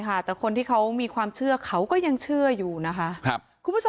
แต่คนที่เขามีความเชื่อเขาก็ยังเชื่ออยู่นะครับ